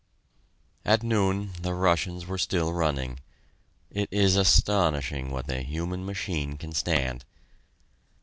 At noon the Russians were still running it is astonishing what the human machine can stand!